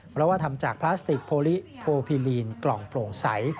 เพราะว่าทำจากพลาสติกโพลิโพพิลีนกล่องโปร่งใส